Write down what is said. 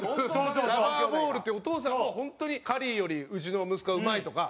ラバー・ボールっていうお父さんも本当に「カリーよりうちの息子はうまい」とか。